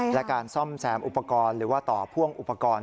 และการซ่อมแซมอุปกรณ์หรือว่าต่อพ่วงอุปกรณ์